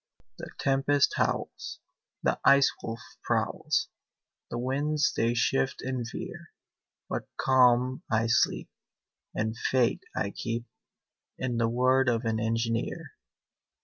The tempest howls, The Ice Wolf prowls, The winds they shift and veer, But calm I sleep, And faith I keep In the word of an engineer.